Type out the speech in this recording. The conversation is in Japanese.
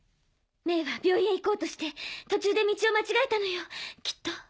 メイは病院へ行こうとして途中で道を間違えたのよきっと。